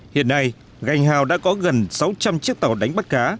hiện nay gành hào đã có gần sáu trăm linh chiếc tàu đánh bắt cá